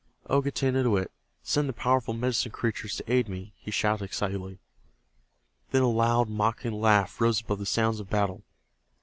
O Getanittowit, send the powerful Medicine Creatures to aid me," he shouted excitedly. Then a loud mocking laugh rose above the sounds of battle.